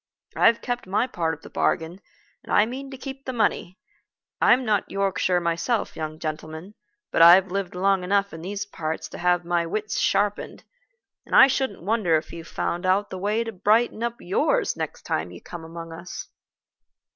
I've kept my part of the bargain, and I mean to keep the money. I'm not Yorkshire myself, young gentleman, but I've lived long enough in these parts to have my wits sharpened, and I shouldn't wonder if you found out the way to brighten up yours next time you come among us."